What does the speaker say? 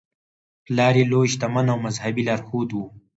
پلار یې لوی شتمن او مذهبي لارښود و.